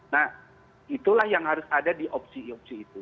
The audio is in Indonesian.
nah itulah yang harus ada di opsi opsi itu